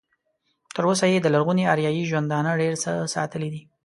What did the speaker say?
تر اوسه یې د لرغوني اریایي ژوندانه ډېر څه ساتلي دي.